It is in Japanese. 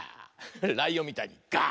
ライオンみたいに「があ！」。